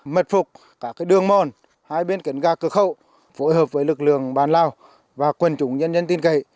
mật phục cả đường mòn hai bên kến ga cực khẩu phối hợp với lực lượng bàn lao và quân chủng nhân dân tin kể